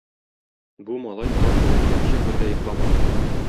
Бу малай таң беленгәнче бер дә йокламады.